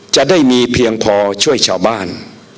จะได้มีเพียงพอช่วยชาวบ้าน